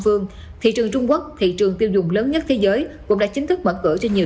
phương thị trường trung quốc thị trường tiêu dùng lớn nhất thế giới cũng đã chính thức mở cửa cho nhiều